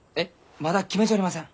まだ決めちょりません。